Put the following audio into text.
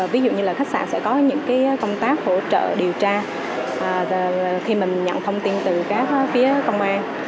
ví dụ như là khách sạn sẽ có những công tác hỗ trợ điều tra khi mình nhận thông tin từ các phía công an